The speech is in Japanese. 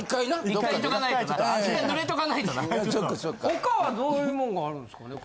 他はどういうもんがあるんですかね？